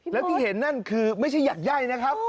แล้วที่เห็นนั่นคือไม่ใช่หยัดไย่นะครับ